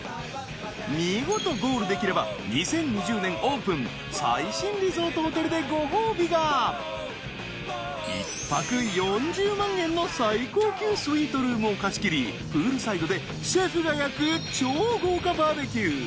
見事ゴールできれば２０２０年オープン最新リゾートホテルでご褒美が１泊４０万円の最高級スイートルームを貸し切りプールサイドでシェフが焼く超豪華バーベキュー